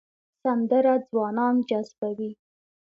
سندره ځوانان جذبوي